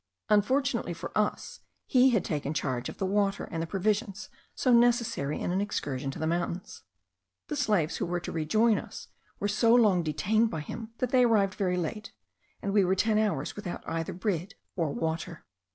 Unfortunately for us, he had taken charge of the water and the provision so necessary in an excursion to the mountains. The slaves, who were to rejoin us, were so long detained by him, that they arrived very late, and we were ten hours without either bread or water.